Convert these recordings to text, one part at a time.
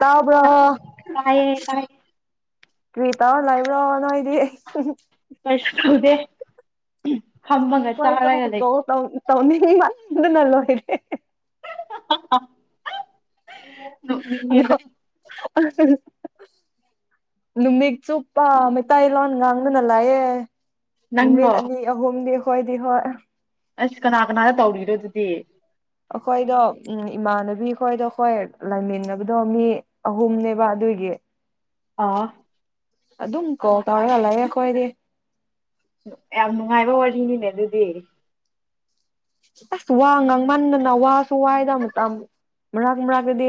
ꯇꯥꯕ꯭ꯔꯣ ꯇꯥꯏꯌꯦ ꯇꯥꯏꯌꯦ ꯀ꯭ꯔꯤ ꯇꯧꯔ ꯂꯩꯕ꯭ꯔꯣ ꯅꯣꯏꯗꯤ ꯦ ꯐꯝꯃꯒ ꯆꯥꯔꯒ ꯂꯩ ꯇꯧꯅꯤꯡꯃꯟꯕꯅ ꯂꯣꯏꯔꯦ ꯑ ꯑ [unintelligible] ꯂꯃꯤꯒ ꯆꯣꯄ ꯃ ꯇ ꯏ ꯂꯣꯟ ꯉꯥꯡꯗꯅꯂꯑꯦ ꯅꯨꯃꯤꯠ ꯅꯪꯔꯣ ꯑꯅꯤ ꯑꯍꯨꯝꯗꯤ ꯍꯣꯏꯗꯤ ꯍꯣꯏ ꯑꯁ ꯀꯅꯥ ꯀꯅꯥꯗ ꯇꯧꯔꯤꯔꯣ ꯑꯗꯨꯗꯤ ꯑꯈꯣꯏꯗꯣ ꯎꯝ ꯏꯃꯥꯟꯅꯕꯤ ꯈꯣꯏꯗꯣ ꯈꯣꯏ ꯂꯩꯃꯤꯟꯅꯕꯗꯣ ꯃꯤ ꯑꯍꯨꯝꯅꯦꯕ ꯑꯗꯨꯒꯤ ꯑꯥ ꯑꯗꯨꯝ ꯀꯣꯜ ꯇꯧꯔꯒꯂꯩꯌꯦ ꯈꯣꯏꯗꯤ ꯌꯥꯝ ꯅꯨꯡꯉꯥꯏꯕ ꯋꯥꯔꯤꯅꯤꯅꯦ ꯑꯗꯨꯗꯤ ꯑꯁ ꯋꯥ ꯉꯥꯡꯃꯟꯗꯅ ꯋꯥꯁꯨ ꯋꯥꯏꯗ ꯑꯃ ꯇ ꯃꯔꯛ ꯃꯔꯛꯀꯗꯤ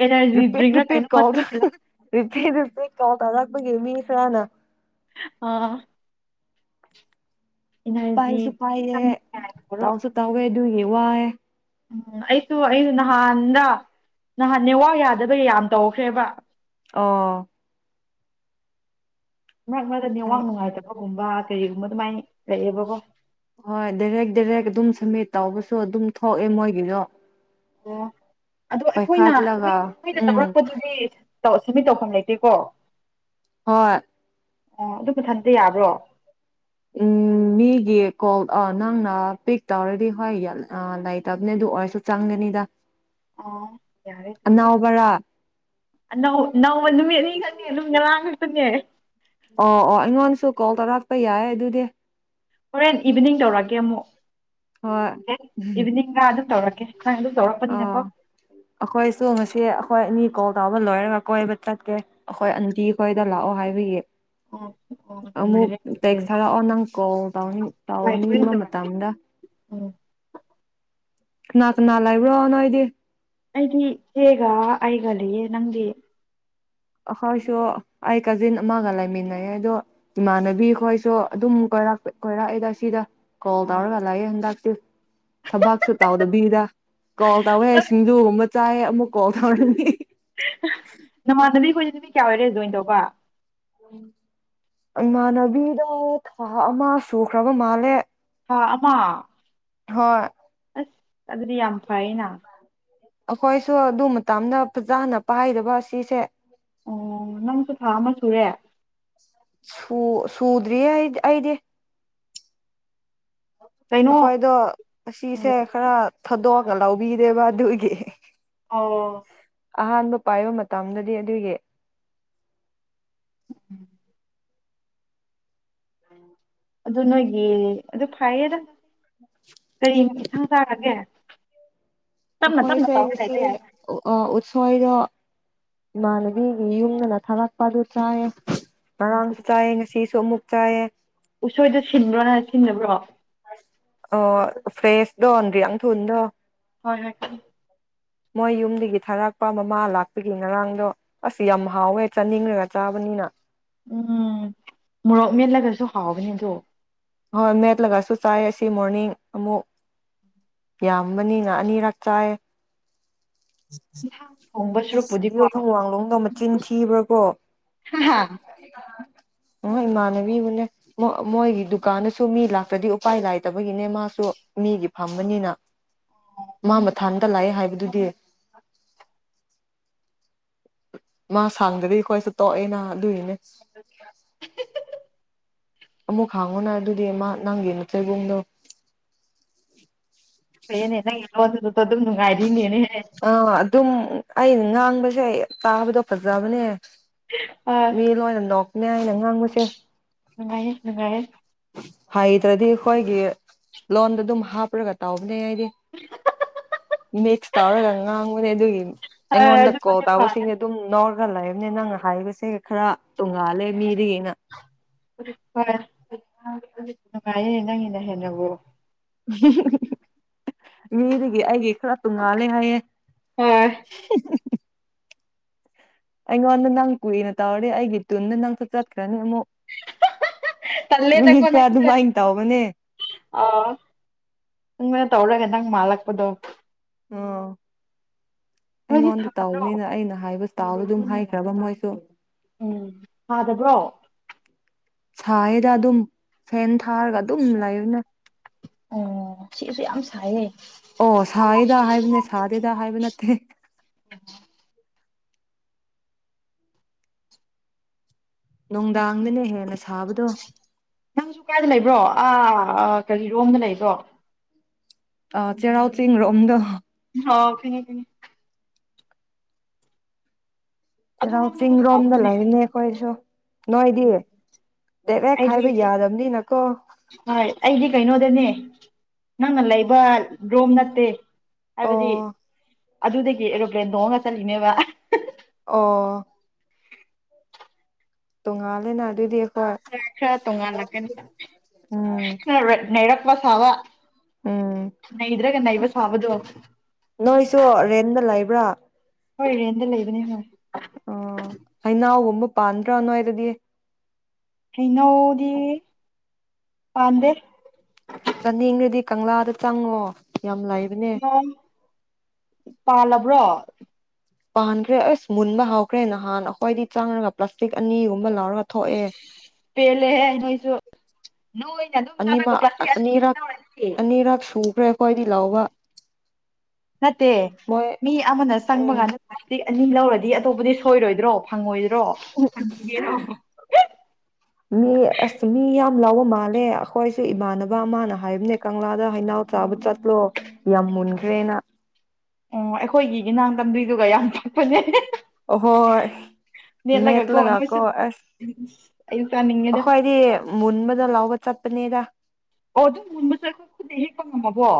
ꯑꯦꯅꯔꯖꯤ ꯗ꯭ꯔꯤꯡꯔ ꯔꯤꯄꯦꯠꯔꯤꯄꯦꯠ ꯀꯩꯅꯣꯝꯃ ꯊꯛꯁꯤꯜꯂꯣ ꯀꯣꯗꯔꯤꯄꯦꯠ ꯀꯣꯜ ꯇꯧꯔꯛꯄꯒꯤ ꯃꯤ ꯈꯔ ꯅ ꯑꯥ ꯏꯅꯔꯖꯤ ꯄꯥꯏꯁꯨ ꯄꯌꯦ ꯆꯪꯅꯤꯡꯉꯥꯏ ꯇꯥꯎꯁꯨ ꯇꯒ ꯗꯨꯒꯤ ꯋꯥꯏꯌꯦ ꯎꯝ ꯑꯩꯁꯨ ꯑꯩꯁꯨ ꯅꯍꯥꯟꯗ ꯅꯍꯥꯟ ꯅꯦꯋꯥ ꯌꯥꯗꯕꯒꯤ ꯌꯥꯝ ꯇꯧꯈ꯭ꯔꯦꯕ ꯑꯣ ꯃꯔꯛ ꯃꯔꯛꯇ ꯍꯥꯏ ꯅꯦꯠꯋꯥꯛ ꯅꯨꯡꯉꯥꯏꯇꯕ ꯒꯨꯝꯕ ꯀꯩꯒꯨꯝꯕ ꯑꯗꯨꯃꯥꯏ ꯂꯩꯌꯦꯕꯀꯣ ꯍꯣꯏ ꯗꯥꯏꯔꯦꯛ ꯗꯥꯏꯔꯦꯛ ꯑꯗꯨꯝ ꯁꯝꯃꯤꯠ ꯇꯧꯕꯁꯨ ꯑꯗꯨꯝ ꯊꯣꯛꯑꯦ ꯃꯣꯏꯒꯤꯗꯣ ꯑꯣ ꯑꯗꯣ ꯑꯩꯈꯣꯏꯅ ꯄꯥꯏꯈꯠꯂꯒ ꯂꯣꯏ ꯑꯩꯈꯣꯏꯅ ꯎꯝ ꯂꯧꯔꯛꯄꯗꯨꯗꯤ ꯇꯧ ꯑꯣ ꯁꯃꯤꯠ ꯇꯧꯐꯝ ꯂꯩꯇꯦꯀꯣ ꯍꯣꯏ ꯑꯣ ꯑꯗꯨ ꯃꯊꯟꯇ ꯌꯥꯕ꯭ꯔꯣ ꯎꯝ ꯃꯤꯒꯤ ꯀꯣꯜ ꯑ ꯅꯪꯅ ꯄꯤꯛ ꯇꯧꯔꯗꯤ ꯍꯣꯏ ꯌꯥ ꯑ ꯂꯩꯇꯕꯅꯦ ꯑꯗꯨ ꯑꯣꯏꯔꯁꯨ ꯆꯪꯒꯅꯤꯗ ꯑꯣ ꯌꯥꯔꯦ ꯑꯗꯨꯗꯤ ꯑꯅꯥꯎꯕꯔꯥ ꯅꯧ ꯅꯧꯕꯖꯨ ꯃꯦꯠꯅꯤꯡꯒ ꯑꯗꯨꯝ ꯉꯔꯥꯡ ꯈꯛꯇꯅꯦ ꯑꯣ ꯑꯣ ꯑꯩꯉꯣꯟꯁꯨ ꯀꯣꯜ ꯇꯧꯔꯥꯛꯄ ꯌꯥꯏ ꯑꯗꯨꯗꯤ ꯍꯣꯔꯦꯟ ꯏꯚꯤꯅꯤꯡ ꯇꯧꯔꯛꯀꯦ ꯑꯃꯨꯛ ꯍꯣꯏ ꯏꯚꯤꯅꯤꯡꯗ ꯑꯗꯨꯝ ꯇꯧꯔꯛꯀꯦ ꯅꯪ ꯑꯗꯨꯝ ꯇꯧꯔꯛꯄꯅꯤꯅꯀꯣ ꯑꯣ ꯑꯈꯣꯏꯁꯨ ꯉꯁꯤ ꯑꯈꯣꯏ ꯑꯅꯤ ꯀꯣꯜ ꯇꯧꯕ ꯂꯣꯏꯔꯒ ꯀꯣꯏꯕ ꯆꯠꯀꯦ ꯑꯈꯣꯏ ꯑꯟꯇꯤ ꯈꯣꯏꯗ ꯂꯥꯛꯑꯣ ꯍꯥꯏꯕꯒꯤ ꯑꯣ ꯑꯣ ꯑꯃꯨꯛ ꯅꯨꯡꯉꯥꯏꯔꯦ ꯑꯗꯨꯗꯤ ꯇꯦꯛꯁ ꯊꯥꯔꯛꯑꯣ ꯅꯪ ꯀꯣꯜ ꯇꯧꯅꯤꯡ ꯍꯣꯏ ꯍꯣꯔꯦꯟ ꯇꯧꯅꯤꯡꯕ ꯇꯧꯔꯛꯀꯦ ꯃꯇꯝꯗ ꯎꯝ ꯀꯅꯥ ꯀꯅꯥ ꯂꯩꯕ꯭ꯔꯣ ꯅꯣꯏꯗꯤ ꯑꯩꯗꯤ ꯏꯆꯦꯒ ꯑꯩꯒ ꯂꯩꯌꯦ ꯅꯪꯗꯤ ꯑꯩꯈꯣꯏꯁꯨ ꯑꯩ ꯀꯥꯖꯤꯟ ꯑꯃꯒ ꯂꯩꯃꯤꯟꯅꯩꯌꯦ ꯑꯗꯣ ꯏꯃꯥꯟꯅꯕꯤꯈꯣꯏꯁꯨ ꯑꯗꯨꯝ ꯀꯣꯏꯔꯛꯄ ꯀꯣꯏꯔꯛꯏꯗ ꯁꯤꯗ ꯀꯣꯜ ꯑꯣ ꯇꯧꯔꯒ ꯂꯩꯌꯦ ꯍꯟꯗꯛ ꯊꯕꯥꯛꯁꯨ ꯇꯥꯎꯗꯕꯤꯗ ꯀꯣꯜ ꯇꯧꯋꯦ ꯁꯤꯡꯖꯨꯒꯨꯝꯕ ꯆꯥꯏꯌꯦ ꯑꯃꯨꯛ ꯀꯣꯜ ꯇꯧꯔꯅꯤ ꯍ ꯑ ꯅꯃꯥꯅꯕꯤ ꯈꯣꯏꯗꯨꯗꯤ ꯃꯤ ꯀꯌꯥ ꯑꯣꯏꯔꯦ ꯂꯣꯏꯅ ꯇꯧꯕ ꯏꯃꯥꯟꯅꯕꯤꯗ ꯊꯥ ꯑꯃ ꯁꯨꯈ꯭ꯔꯕ ꯃꯥꯜꯂꯦ ꯊꯥ ꯑꯃ ꯍꯣꯏ ꯑꯁ ꯑꯗꯨꯗꯤ ꯌꯥꯝ ꯐꯩꯅ ꯑꯈꯣꯏꯁꯨ ꯑꯗꯨ ꯃꯇꯝꯗ ꯐꯖꯅ ꯄꯥꯏꯗꯕ ꯑꯁꯤꯁꯦ ꯑꯣ ꯅꯪꯁꯨ ꯊꯥ ꯑꯃ ꯁꯨꯔꯦ ꯁꯨ ꯁꯨꯗ꯭ꯔꯤꯌꯦ ꯑꯩ ꯑꯩꯗꯤ ꯀꯩꯅꯣ ꯑꯩꯈꯣꯏꯗꯣ ꯎꯝ ꯑꯁꯤꯁꯦ ꯈꯔ ꯊꯥꯗꯣꯛꯑꯒ ꯂꯧꯕꯤꯔꯦꯕ ꯑꯗꯨꯒꯤ ꯑꯦꯍꯦ ꯑꯦꯍꯦ ꯑꯣ ꯑꯍꯥꯟꯕ ꯄꯥꯏꯕ ꯃꯇꯝꯗꯗꯤ ꯑꯗꯨꯒꯤ ꯎꯝ [unintelligible] ꯑꯗꯨ ꯅꯣꯏꯒꯤ ꯑꯗꯨ ꯐꯩꯌꯦꯗ ꯀꯔꯤ ꯏꯟꯊꯥꯡ ꯆꯥꯔꯒꯦ ꯇꯞꯅ ꯆꯦ ꯇꯞꯅ ꯇꯧꯔ ꯁꯤ ꯂꯩꯕ ꯌꯥꯏꯅ [unintelligible] ꯁꯣꯏꯗꯣ ꯏꯃꯥꯟꯅꯕꯤꯒꯤ ꯌꯨꯝꯗꯅ ꯊꯥꯂꯛꯄ ꯑꯗꯨ ꯆꯥꯏꯌꯦ ꯃꯅꯥꯡꯁꯨ ꯆꯦ ꯉꯁꯤꯁ ꯇꯣꯃꯨꯛ ꯆꯌꯦ ꯎꯁꯣꯏꯗꯨꯣ ꯁꯤꯟꯕ꯭ꯔꯣꯅ ꯁꯤꯟꯗꯕ꯭ꯔꯣ ꯑ ꯐ꯭ꯔꯦꯁꯗꯟ ꯔꯤꯌꯥ ꯊꯟꯗ ꯍꯣꯏ ꯍꯣꯏ ꯃꯣꯏ ꯌꯨꯝꯗꯒꯤ ꯊꯥꯔꯛꯄ ꯃꯃꯥ ꯂꯥꯛꯄꯒꯤ ꯉꯔꯥꯡꯗꯣ ꯑꯁ ꯌꯥꯝ ꯍꯥꯎꯋꯦ ꯆꯥꯅꯤꯡꯉꯒ ꯆꯥꯕꯅꯤꯅ ꯎꯝ ꯃꯣꯔꯣꯛ ꯃꯦꯠꯂꯒꯁꯨ ꯍꯥꯎꯕꯅꯤ ꯑꯗꯣ ꯍꯣꯏ ꯃꯦꯠ ꯂꯥꯏꯁꯨ ꯆꯥꯏ ꯑꯁꯤ ꯃꯣꯔꯅꯤꯡ ꯑꯃꯨꯛ ꯌꯥꯝꯕꯅꯤꯅ ꯑꯅꯤꯔꯛ ꯆꯥꯏ [unintelligible] ꯊꯣꯡꯕ ꯑꯁꯗꯤ ꯁꯨꯔꯛꯄꯨꯗꯤꯀꯣ ꯊꯣꯡ ꯋꯥꯡꯂꯂꯣꯝꯗ ꯑꯃ ꯆꯤꯟꯈꯤꯕ꯭ꯔꯥ ꯀꯣ ꯍꯥ ꯑꯣ ꯏꯃꯥꯟꯅꯕꯤꯕꯨꯅꯦ ꯃꯣꯏꯒꯤ ꯗꯨꯀꯥꯟꯗꯁꯨ ꯃꯤ ꯂꯥꯛꯇ꯭ꯔꯗꯤ ꯎꯄꯥꯏ ꯂꯥꯏꯇꯕꯒꯤꯅꯦ ꯃꯥꯁꯨ ꯃꯤꯒꯤ ꯐꯝꯕꯅꯤꯅ ꯃꯥ ꯃꯊꯥꯗ ꯂꯥꯛꯑꯦ ꯍꯥꯏꯕꯗꯨꯗꯤ ꯃꯥ ꯁꯥꯡꯗꯗꯤ ꯑꯩꯈꯣꯏꯁꯨ ꯇꯣꯛꯑꯦꯅ ꯑꯗꯨꯏꯅꯦ ꯑꯃꯨꯛ ꯍꯥꯡꯉꯨꯅ ꯑꯗꯨꯗꯤ ꯃꯥ ꯅꯪꯒꯤ ꯅꯠꯇ꯭ꯔꯦ ꯏꯕꯨꯡꯗꯣ ꯅꯦ [unintelligible] ꯑꯗꯨꯝ ꯅꯨꯡꯉꯥꯏꯔꯤꯅꯦꯅꯦꯦ ꯑꯥ ꯑꯗꯨꯝ ꯑꯩꯅ ꯉꯥꯡꯕꯁꯦ ꯑꯩ ꯇꯥꯕꯗꯣ ꯐꯖꯕꯅꯦ ꯑꯥ ꯃꯦꯂ ꯑꯣꯏꯅꯗ ꯃ ꯑꯩꯅ ꯉꯥꯡꯕꯁꯤꯡ ꯅꯨꯡꯉꯥꯏꯌꯦ ꯅꯨꯡꯉꯥꯏꯌꯦ ꯍꯩꯇ꯭ꯔꯗꯤ ꯑꯩꯈꯣꯏꯒꯤ ꯂꯣꯟꯗ ꯑꯗꯨꯝ ꯍꯥꯞꯔꯒ ꯇꯥꯎꯧꯕꯅꯦ ꯍꯥꯏꯗꯤ ꯃꯤꯛꯁ ꯇꯧꯔꯒ ꯉꯥꯡꯕꯅꯦ ꯑꯗꯨꯒꯤ ꯍꯣꯏ ꯅꯉꯣꯟꯗ ꯀꯣ ꯑꯗꯨꯕꯨꯗꯤ ꯇꯧꯕꯁꯤ ꯐꯔꯦ ꯑꯗꯨꯝ ꯅꯣ ꯐꯒꯂꯛꯕꯅꯦ ꯅꯪꯅ ꯍꯥꯏꯔꯤꯕꯁꯦ ꯈꯔ ꯇꯣꯡꯉꯥꯜꯂꯦ ꯃꯤꯗꯒꯤ ꯌꯦ [unintelligible] ꯃꯉꯥꯏ ꯏꯅ ꯍꯅ ꯍꯦꯟꯅ [unintelligible] ꯉꯣ ꯃꯤꯗꯒꯤ ꯑꯩꯒꯤ ꯈꯔ ꯇꯣꯡꯉꯥꯜꯂꯦ ꯍꯥꯏꯌꯦꯦ ꯍꯣꯏ [unintelligible] ꯑꯩꯉꯣꯟꯗ ꯅꯪ ꯀꯨꯏꯅ ꯇꯧꯔꯦ ꯑꯩꯒꯤ ꯇꯨꯗ ꯅꯪꯁꯨ ꯆꯠꯈ꯭ꯔꯅꯤ ꯑꯃꯨꯛ ꯇꯂꯦ ꯃꯤ ꯇ ꯅ ꯈꯔ ꯑꯗꯨꯃꯥꯏꯅ ꯇꯧꯕꯅꯦ ꯑꯪ ꯇꯧꯔꯒꯅꯤ ꯗꯪ ꯃꯥꯂꯛꯄꯗꯣ ꯑꯣ ꯅꯣꯏꯗꯤ ꯑꯩꯉꯣꯟꯗ ꯁꯥꯗ꯭ꯔꯣ ꯇꯧꯕꯅꯤꯅ ꯑꯩꯅ ꯍꯥꯏꯕ ꯇꯥ ꯑꯗꯨꯝ ꯍꯥꯏꯈ꯭ꯔꯕ ꯃꯣꯏꯁꯨ ꯎꯝ ꯐꯥꯗꯕ꯭ꯔꯣ ꯁꯌꯦꯗ ꯑ ꯑꯗꯨꯝ ꯐꯦꯟ ꯊꯥꯔꯒ ꯑꯗꯨꯝ ꯂꯩꯅꯦ ꯑꯣ ꯁꯤꯁꯨ ꯌꯥꯝ ꯁꯥꯏꯌꯦ ꯑꯣ ꯁꯥꯌꯦꯗ ꯍꯥꯏꯕꯅꯦ ꯁꯥꯗꯦꯗ ꯍꯥꯏꯕ ꯅꯠꯇꯦ ꯅꯨꯡꯗꯥꯡꯗꯅꯦ ꯍꯦꯟꯅ ꯊꯥꯕꯗꯣ ꯅꯪꯁꯨ ꯀꯥꯏꯗ ꯂꯩꯕ꯭ꯔꯣ ꯑꯥ ꯀꯔꯤꯔꯣꯝꯗ ꯂꯩꯕ꯭ꯔꯣ ꯑ ꯆꯩꯔꯥꯎ ꯆꯤꯡꯔꯣꯝꯗ ꯑꯣ ꯀꯅꯥꯧ ꯑꯗꯨꯔꯣꯝꯗꯕꯨ ꯆꯤꯡꯔꯣꯝꯗ ꯁꯥꯕ꯭ꯔꯣꯅꯦ ꯂꯩꯔꯤꯅꯦ ꯑꯩꯈꯣꯏꯁꯨ ꯅꯣꯏꯗꯤ ꯎꯝ, ꯗꯦꯛ ꯍꯦꯛ ꯑꯩꯗꯤ ꯈꯥꯏꯕ ꯌꯥꯗꯕꯅꯤꯅꯀꯣ ꯍꯣꯏ ꯑꯩꯗꯤ ꯀꯩꯅꯣꯗꯅꯦ ꯅꯪꯅ ꯂꯩꯕ ꯔꯣꯝ ꯅꯠꯇꯦ ꯑꯣ ꯍꯥꯏꯕꯗꯤ ꯑꯗꯨꯗꯒꯤ ꯑꯦꯔꯣꯄ꯭ꯂꯦꯟ ꯇꯣꯡꯉꯒ ꯆꯠꯂꯤꯅꯦꯕ ꯑꯣ ꯇꯣꯡꯉꯂꯦꯅꯅꯥ ꯈꯔ ꯈꯔ ꯇꯣꯉꯥꯜꯂꯛꯀꯅꯤ ꯎꯝ ꯈꯔ ꯅꯔꯛ ꯁꯥꯕ ꯎꯝ ꯅ ꯏ꯭ꯔꯒꯅꯁ ꯐꯕꯗꯣ ꯅꯣꯏꯁꯨ ꯔꯦꯟꯗ ꯂꯩꯕ꯭ꯔꯥ ꯍꯣꯏ ꯔꯦꯟꯗ ꯂꯩꯕꯅꯦ ꯍꯣꯏ ꯑꯣ ꯍꯩꯅꯥꯎꯒꯨꯝꯕ ꯄꯥꯟꯗ꯭ꯔꯥ ꯅꯑꯣꯏꯗꯗꯤ ꯍꯩꯅꯧꯗꯤ ꯄꯥꯟꯗꯦ ꯆꯥꯅꯤꯡꯗꯗꯤ ꯀꯪꯂꯥꯗ ꯆꯪꯪꯉꯣ ꯎꯝ ꯄꯂ ꯍꯕ꯭ꯔꯣ ꯄꯥꯟꯈ꯭ꯔꯦ ꯑꯁ ꯃꯨꯟꯕ ꯍꯥꯎꯈ꯭ꯔꯦ ꯅꯍꯥꯟ ꯑꯩꯈꯣꯏꯏꯗꯤ ꯆꯥꯡꯔꯒ ꯄ꯭ꯂꯥꯁꯇꯤꯛ ꯑꯅꯤꯒꯨꯝ ꯄꯦꯂꯦ ꯍꯁꯨ ꯑꯅꯤꯃ ꯑꯅꯤ ꯑꯅꯤ ꯑꯅꯤꯔꯛ ꯂꯧꯔꯅꯤ ꯑꯅꯤꯔꯛꯁꯨꯨ ꯀꯣꯏꯗꯤ ꯂꯥꯎꯕ ꯅꯠꯇꯦ ꯃꯤ ꯑꯃꯅ ꯆꯪꯕ ꯎꯝ ꯀꯥꯟꯗ ꯑꯅꯤ ꯂꯧꯔꯗꯤ ꯑꯇꯣꯞꯄꯗꯤ ꯁꯣꯏꯔꯣꯏꯗ꯭ꯔꯣ ꯐꯪꯉꯣꯏꯗ꯭ꯔꯣ ꯐꯪꯈꯤꯒꯦꯔꯣ ꯃꯤ ꯑꯁ ꯃꯤ ꯌꯥ ꯌꯥꯝ ꯂꯥꯎꯕ ꯃꯥꯜꯂꯦ ꯑꯩꯈꯣꯏꯁꯨ ꯏꯃꯥꯟꯅꯕ ꯑꯃꯅ ꯍꯥꯏꯕꯅꯦ ꯀꯪꯂꯥꯗ ꯍꯩꯅꯥꯎ ꯆꯥꯕ ꯆꯠꯂꯣ ꯌꯥꯝ ꯃꯨꯟꯈ꯭ꯔꯦꯅ ꯑꯣ ꯑꯩꯈꯣꯏꯒꯤꯒꯤꯅꯥꯥꯡ ꯇꯝꯗꯨꯏꯗꯨꯒ ꯌꯥꯝ ꯊꯛꯄꯅꯦ ꯑꯍꯣꯏ ꯃꯦꯠꯂꯒꯀꯣ ꯑꯩ ꯆꯥꯅꯤꯡꯉꯦꯗ ꯑꯁꯈꯣꯏꯗꯤ ꯃꯨꯟꯕꯗ ꯂꯥꯎ ꯋꯥ ꯆꯄꯅꯦꯗ ꯑꯣ ꯑꯗꯨꯝ ꯃꯨꯟꯕꯁꯨ ꯑꯩꯈꯣꯏ ꯈꯨꯠꯅ ꯍꯦꯛꯄ ꯉꯝꯃꯕꯣ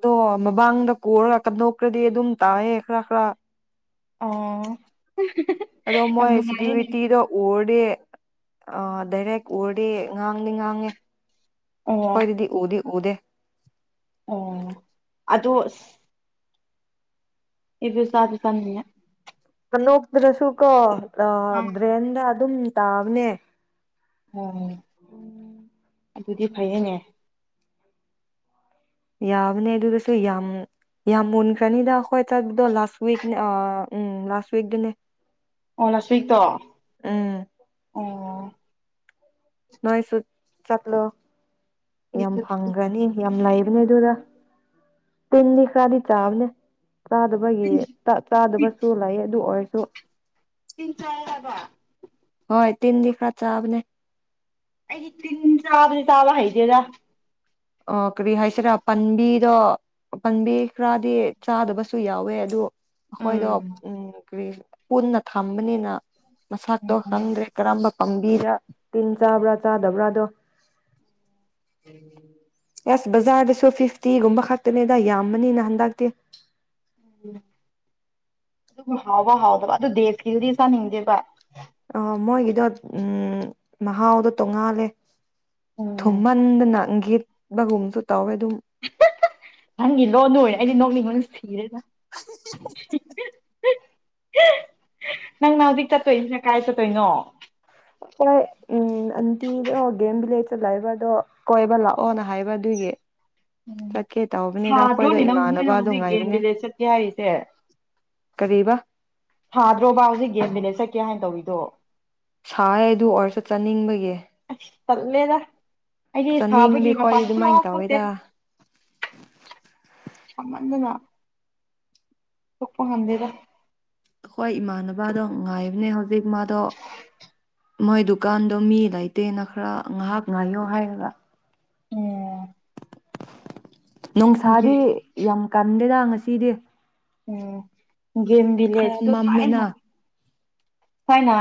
ꯑꯗꯣ ꯃꯃꯥꯡꯗ ꯀꯔ ꯀꯟꯗꯣꯛꯈ꯭ꯔꯗꯤ ꯑꯗꯨꯝ ꯇꯥꯏꯌꯦ ꯈꯔ ꯈꯔ ꯑꯥ ꯑꯗꯣ ꯃꯣꯏ ꯁꯦꯀ꯭ꯌꯨꯔꯤꯇꯤꯗꯣ ꯎꯔꯗꯤ ꯑ ꯗꯥꯏꯔꯦꯛ ꯎꯔꯗꯤ ꯉꯥꯡꯗꯤ ꯉꯥꯡꯉꯦ ꯑꯣ ꯈꯣꯏꯗꯤ ꯎꯗꯤ ꯎꯗꯦ ꯑꯣ ꯑꯗꯣ ꯏꯕꯦ ꯆꯥ ꯆꯥꯅꯤꯡꯉꯦ ꯑꯅꯣꯛꯗ꯭ꯔꯁꯨ ꯀꯣ ꯑ ꯑꯥ ꯗ꯭ꯔꯦꯟꯗ ꯑꯗꯨꯝ ꯇꯥꯕꯅꯦ ꯑꯣ ꯑꯗꯨꯗꯤ ꯐꯩꯌꯦꯅꯦ ꯌꯥꯕꯅꯦ ꯑꯗꯨꯗꯁꯨ ꯌꯥꯝ ꯌꯥꯝ ꯃꯨꯟꯈ꯭ꯔꯅꯤꯗ ꯑꯩꯈꯣꯏ ꯆꯠꯄꯗꯣ ꯂꯥꯁ ꯋꯤꯛꯅꯦ ꯎꯝ ꯂꯥꯁ ꯋꯤꯛꯇꯅꯦ ꯑꯣ ꯂꯥꯁꯋꯤꯛꯇꯣ ꯎꯝ ꯑꯣ ꯅꯣꯏꯁꯨ ꯆꯠꯂꯣ ꯌꯥꯝ ꯐꯪꯒꯔꯅꯤ ꯌꯥꯝ ꯂꯩꯕ ꯏꯅꯦꯗꯨꯗꯥ ꯇꯤꯟꯤꯗꯤ ꯈꯔꯗꯤ ꯆꯥꯕꯅꯦ ꯆꯥꯗꯕꯒꯤ ꯆꯥꯗꯕꯁꯨ ꯂꯩ ꯑꯗꯨ ꯑꯣꯏꯔꯁꯨ ꯇꯤꯟ ꯆꯥꯏ ꯍꯥꯏꯕ ꯍꯣꯏ ꯇꯤꯟꯗꯤ ꯈꯔ ꯆꯥꯕꯅꯦ ꯑꯩꯗꯤ ꯇꯤꯟ ꯆꯥꯕꯗꯤ ꯆꯥꯕ ꯍꯩꯇꯦꯗ ꯑ ꯀꯔꯤ ꯍꯥꯏꯁꯤꯔꯥ ꯄꯥꯝꯕꯤꯗꯣ ꯄꯥꯝꯕꯤ ꯈꯔꯗꯤ ꯆꯥꯗꯕꯁꯨ ꯌꯥꯎꯋꯦ ꯑꯗꯨ ꯑꯩꯈꯣꯏꯗꯣ ꯎꯝ ꯎꯝ ꯀꯔꯤ ꯄꯨꯟꯅ ꯊꯝꯕꯅꯤꯅ ꯃꯁꯛꯇꯣ ꯎꯝ ꯈꯪꯗ꯭ꯔꯦ ꯀꯔꯝꯕ ꯄꯥꯝꯕꯤꯗ ꯇꯤꯟ ꯆꯥꯕ꯭ꯔꯥ ꯆꯥꯗꯕ꯭ꯔꯥꯗꯣ ꯑꯦꯁ ꯕꯖꯥꯔꯗꯁꯨ ꯐꯤꯐꯇꯤꯒꯨꯝꯕ ꯈꯛꯇꯅꯦꯗ ꯌꯥꯝꯕꯅꯤꯅ ꯍꯟꯗꯛꯇꯤ ꯑꯗꯨꯕꯨ ꯍꯥꯎꯕ ꯍꯥꯎꯗꯕ ꯑꯗꯨ ꯗꯦꯁꯀꯤꯗꯨꯗꯤ ꯆꯥꯅꯤꯡꯗꯦꯕ ꯑꯣ ꯃꯣꯏꯒꯤꯗꯣ ꯎꯝ ꯃꯍꯥꯎꯗꯣ ꯇꯣꯡꯉꯥꯜꯂꯦ ꯎꯝ ꯊꯨꯝꯃꯟꯗꯅ ꯒꯦꯠ ꯒꯨꯝꯁꯨ ꯅꯪꯒꯤ ꯂꯣꯟꯗꯨ ꯑꯣꯏꯔꯦ ꯑꯩꯗꯤ ꯅꯣꯛꯅꯤꯡꯕꯅ ꯁꯤꯔꯦꯗ ꯅꯪꯅ ꯍꯧꯖꯤꯛ ꯆꯠꯇꯣꯏꯁꯤꯅ ꯀꯥꯏ ꯆꯠꯇꯣꯏꯅꯣ ꯍꯣꯏ ꯎꯝ ꯑꯟꯇꯤꯗꯤ ꯑꯣ ꯒꯦꯝ ꯚꯤꯂꯦꯖꯇ ꯂꯩꯕꯗꯣ ꯀꯣꯏꯕ ꯂꯥꯛꯑꯣꯅ ꯍꯥꯏꯕ ꯑꯗꯨꯒꯤ ꯎꯝ ꯆꯠꯀꯦ ꯇꯧꯕꯅꯤꯗ ꯁꯥꯗ꯭ꯔꯣ ꯑꯩꯈꯣꯏꯗꯣ ꯅꯦ ꯅꯪ ꯅꯣꯏꯅ ꯏꯃꯥꯟꯅꯕꯗꯣ ꯍꯧꯖꯤꯛ ꯒꯦꯝ ꯉꯥꯏꯕꯅꯦ ꯕꯤꯂꯦꯖꯗ ꯆꯠꯀꯦ ꯍꯥꯏꯔꯤꯁꯦ ꯀꯔꯤꯕ ꯊꯥꯗ꯭ꯔꯣꯕ ꯍꯧꯖꯤꯛ ꯒꯦꯝ ꯃꯦꯅꯦꯠ ꯆꯠꯀꯦ ꯍꯥꯏꯅ ꯇꯧꯔꯤꯗꯣ ꯁ ꯑꯗꯨ ꯑꯣꯔꯁꯨ ꯆꯠꯅꯤꯡꯕꯒꯤ ꯇꯂꯦꯗ ꯑꯩꯗꯤ ꯁꯥꯕꯒꯤ ꯑꯩꯈꯣꯏꯗꯤ ꯃꯄꯥꯜ ꯑꯗꯨꯃꯥꯏꯅ ꯊꯣꯛꯇꯦ ꯇꯧꯋꯦꯗ ꯁꯃꯗꯅ ꯄꯨꯞꯄ ꯍꯥꯟꯗꯦꯗ ꯑꯩꯈꯣꯏ ꯏꯃꯥꯟꯅꯕꯗꯣ ꯉꯥꯏꯕꯅꯦ ꯍꯧꯖꯤ ꯛꯃꯥꯗꯣ [unintelligible] ꯃꯣꯏ ꯗꯨꯀꯥꯟꯗꯣ ꯃꯤ ꯂꯩꯇꯦꯅ ꯈꯔ ꯉꯥꯏꯍꯥꯛ ꯉꯥꯏꯌꯣ ꯍꯥꯏꯔꯒ ꯎꯝ [unintelligible] ꯅꯣꯡꯣꯡ ꯁꯥꯗꯤ ꯎꯝ ꯌꯥꯝ ꯀꯟꯗ ꯁꯤꯗꯤ ꯎꯝ ꯦꯦꯝ ꯂꯤ ꯍꯥꯏ ꯇ ꯀꯥꯏ ꯃꯝꯃꯦꯅ ꯅ ꯀꯅ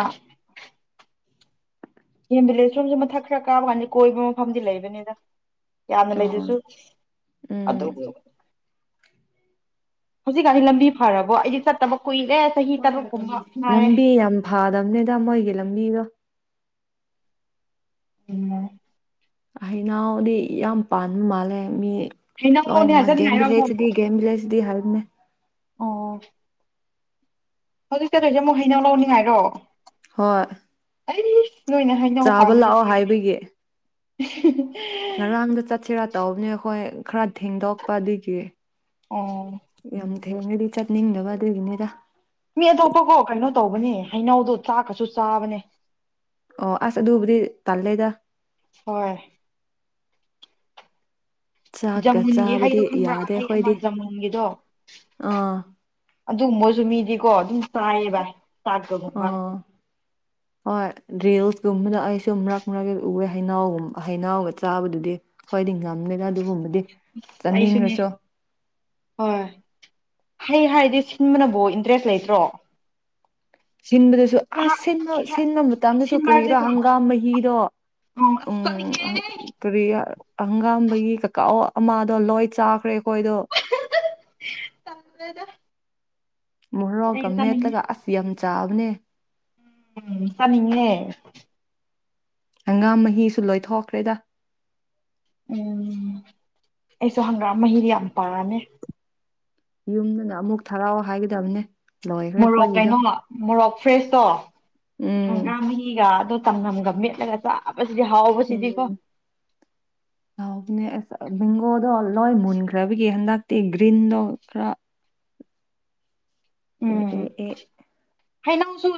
ꯑꯦꯝ ꯚꯕꯤꯂꯦꯖ ꯔꯨꯝꯁꯨ ꯃꯊꯛ ꯈꯔ ꯀꯥꯕ ꯀꯥꯟꯗ ꯀꯣꯏꯕ ꯃꯐꯝꯗꯤ ꯂꯩꯕꯅꯤꯗ ꯌꯥꯝꯅ ꯑꯣ ꯂꯩꯗꯨꯁꯨ ꯎꯝ [unintelligible] ꯍꯧꯖꯤꯛꯀꯥꯟꯁꯤ ꯂꯝꯕꯤ ꯐꯔꯕꯣ ꯑꯩꯗꯤ ꯆꯠꯇꯕ ꯀꯨꯏ ꯂꯝꯕꯤ ꯌꯥꯝ ꯐꯥꯗꯝꯕꯅꯦꯗ ꯃꯣꯏꯒꯤ ꯂꯃꯤꯒ ꯎꯝ ꯑꯩꯩꯅꯥꯎꯗꯤ ꯌꯥꯝ ꯄꯥꯟꯕ ꯃꯥꯜꯂꯦ ꯃꯤ ꯍꯩꯅꯧ ꯍꯅꯦ ꯂꯧꯅꯤꯡꯉꯥꯏ ꯃꯥ ꯒꯦꯝꯕꯤ ꯆꯠꯅꯤꯡꯉꯥꯏꯔꯣ ꯂꯩꯦꯁꯤꯗꯤ ꯑꯃꯨꯛ ꯒꯦꯝ ꯕꯤ ꯂꯩꯁꯤꯗꯤ ꯍꯥꯏꯔꯅꯦ ꯑꯣ ꯍꯧꯖꯤꯛ ꯆꯦꯗꯣꯏꯁꯦ ꯑꯃꯨꯛ ꯍꯩꯅꯧ ꯂꯧꯅꯤꯡꯉꯥꯏꯔꯣ ꯍꯣꯏ ꯑꯩ ꯆꯥꯕ ꯂꯥꯛꯑꯣ ꯍꯥꯏꯕꯒꯤ ꯎ [unintelligible] ꯉꯔꯥꯡꯗ ꯆꯠꯁꯤꯦꯔ ꯇꯧꯕꯅꯦ ꯑꯩꯈꯣꯏ ꯈꯔ ꯊꯦꯡꯗꯣꯛꯄ ꯑꯗꯨꯗꯒꯤ ꯑꯣ ꯌꯥꯝ ꯊ ꯍꯦꯅ ꯆꯠ ꯅꯤꯡꯗꯕ ꯑꯗꯨꯒꯤꯅꯤꯗ ꯃꯤ ꯑꯇꯣꯞꯄꯀꯣ ꯀꯩꯅꯣ ꯇꯧꯕꯅꯤ ꯍꯩꯅꯧꯗꯣ ꯆꯥꯛꯀꯁꯨ ꯆꯥꯕꯅꯦ ꯑꯣ ꯑꯁ ꯑꯗꯨꯕꯨꯗꯤ ꯇꯜꯂꯦꯗ ꯍꯣꯏ ꯆꯥꯛꯀ ꯖꯃꯨꯟꯒꯤ ꯍꯩꯗꯣ ꯆꯥꯕꯗꯤ ꯈꯪꯕ꯭ꯔꯥ ꯌꯥꯗꯦ ꯍꯩ ꯑꯃ ꯑꯩꯈꯣꯏꯗꯤ ꯖꯃꯨꯟꯒꯤꯗꯣ ꯑꯥ ꯑꯗꯨꯒꯨꯝꯕꯁꯨ ꯃꯤꯗꯤꯀꯣ ꯑꯗꯨꯝ ꯆꯥꯏꯌꯦ ꯚꯥꯏ ꯑ ꯍꯣꯏ ꯗꯔꯤꯜꯁ ꯔꯨꯝꯕꯅ ꯑꯩꯁꯨ ꯃꯔꯛ ꯃꯔꯛ ꯎꯑꯦ ꯍꯩꯩꯅꯎꯒꯨꯝ ꯑ ꯍꯩꯩꯅꯎꯒ ꯆꯥꯕꯗꯨꯗꯤ ꯈꯣꯏꯗꯤ ꯉꯝꯗꯦꯅ ꯑꯗꯨꯒꯨꯝꯕꯗꯤ ꯑꯩꯁꯨꯅꯦ ꯆꯥꯅꯤꯡꯔꯁꯨ ꯍꯣꯏ ꯍꯩ ꯍꯥꯏꯔꯗꯤ ꯁꯤꯟꯕꯅꯕꯨ ꯏꯟꯇꯔꯦꯁ ꯂꯩꯇ꯭ꯔꯣ ꯁꯤꯟꯕꯗꯁꯨ ꯑꯥꯁ ꯁꯤꯟꯕ ꯁꯤꯟꯕ ꯃꯇꯝꯗꯁꯨ ꯀꯔꯤꯔꯥ ꯁꯤꯟꯕꯔꯁꯦꯀꯣ ꯍꯪꯒꯥꯝ ꯃꯍꯤꯗꯣ ꯎꯝ ꯑꯁ ꯎꯝ ꯆꯠꯅꯤꯡꯉꯦ ꯀꯔꯤꯌꯥ ꯑꯪꯒꯥꯝꯕꯒꯤ ꯀꯀꯥꯑꯣ ꯑꯃꯥꯗꯣ ꯂꯣꯏ ꯆꯥꯈ꯭ꯔꯦ ꯑꯩꯈꯣꯏꯗꯣ ꯇꯜꯂꯦꯗ ꯑꯩ ꯃꯔꯣꯒ ꯆꯥꯅꯤꯡꯉꯦ ꯃꯦꯠꯂꯒ ꯑꯁ ꯌꯥꯝ ꯆꯥꯕꯅꯦ ꯎꯝ ꯆꯅꯤꯡꯉꯦ ꯍꯪꯒꯥꯝ ꯃꯍꯤꯁꯨ ꯂꯣꯏꯊꯣꯛꯈ꯭ꯔꯦꯗ ꯎꯝ ꯑꯩꯁꯨ ꯍꯪꯒꯥꯝ ꯃꯍꯤꯗꯤ ꯌꯥꯝ ꯄꯥꯝꯃꯦ ꯌꯨꯝꯗꯅ ꯑꯃꯨꯛ ꯊꯔꯥꯎꯑꯣ ꯍꯥꯏꯒꯗꯝꯅꯦ ꯃꯣꯔꯣꯛ ꯀꯩꯅꯣ ꯃꯣꯔꯣꯛ ꯐ꯭ꯔꯦꯁꯇꯣ ꯎꯝ ꯍꯪꯒꯥꯝ ꯃꯍꯤꯒ ꯑꯗꯣ ꯇꯝꯅꯝꯒ ꯃꯦꯠꯂꯒ ꯆꯥ ꯑ ꯄ ꯁꯤꯗꯤ ꯍꯥꯎꯕꯁꯤꯗꯤ ꯀꯣ ꯎꯝ ꯑꯕꯦꯡꯒꯣꯗꯣ ꯂꯣꯏ ꯃꯨꯟꯈ꯭ꯔꯕꯒꯤ ꯍꯟꯗꯛꯇꯤ ꯒ꯭ꯔꯤꯟꯗꯣ ꯈꯔ ꯎꯝ ꯎꯝ ꯑꯦ ꯍꯩꯩꯅꯧꯁꯨ